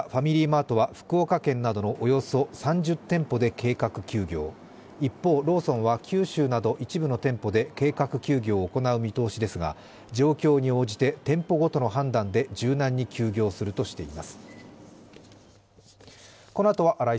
マートは福岡県などのおよそ３０店舗で計画休業、一方、ローソンは九州など一部の店舗で計画休業を行う見通しですが、状況に応じて店舗ごとの判断で柔軟に休業するとしています。